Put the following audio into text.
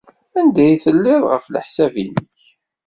Anda ay telliḍ, ɣef leḥsab-nnek?